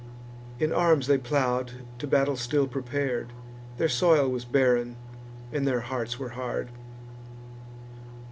In arms they plow'd, to battle still prepar'd: Their soil was barren, and their hearts were hard.